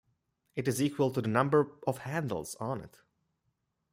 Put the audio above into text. It is equal to the number of handles on it.